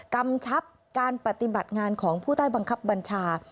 กำชับการปฏิบัติงานของผู้ใต้บังคับบัญชา